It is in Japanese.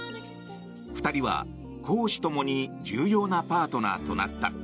２人は、公私共に重要なパートナーとなった。